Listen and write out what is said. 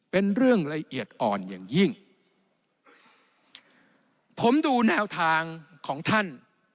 เป็นเรื่องละเอียดอ่อนอย่างยิ่งผมดูแนวทางของท่าน